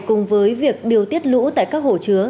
cùng với việc điều tiết lũ tại các hồ chứa